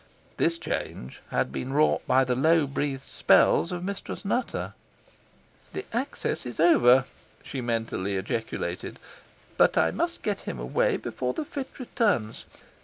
This change had been wrought by the low breathed spells of Mistress Nutter. "The access is over," she mentally ejaculated; "but I must get him away before the fit returns."